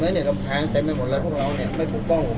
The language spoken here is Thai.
พี่จะได้เก็บไว้ในถังหรอพี่อย่าไปกลัวไม่ติดเต้นหรอก